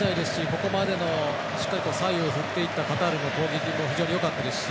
ここまで、しっかり左右に振っていったカタールの攻撃も非常によかったですし